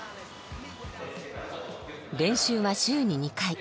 練習は週に２回。